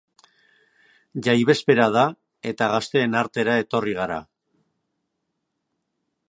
Jai bezpera da eta gazteen artera etorri gara.